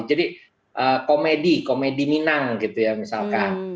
jadi komedi komedi minang gitu ya misalkan